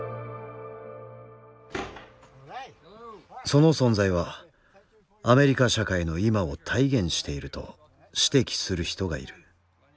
その存在はアメリカ社会の今を体現していると指摘する人がいる。